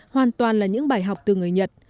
hoàn toàn là những bài học từ người nhật